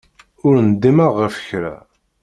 Ur ndimeɣ ɣef kra.